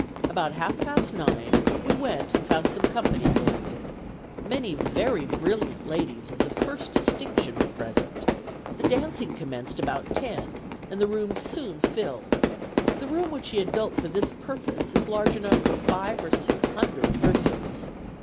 About half past nine, we went and found some company collected. Many very brilliant ladies of the first distinction were present. The dancing commenced about ten, and the rooms soon filled. The room which he had built for this purpose is large enough for five or six hundred persons.